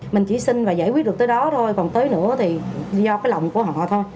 mình chỉ sinh và giải quyết được tới đó thôi còn tới nữa thì do cái lòng của họ thôi